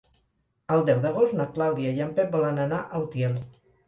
El deu d'agost na Clàudia i en Pep volen anar a Utiel.